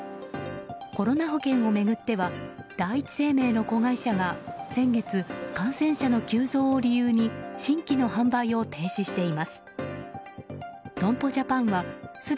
コロナ保険を巡っては第一生命の子会社が先月、感染者の急増を理由に新規の販売を停止しています。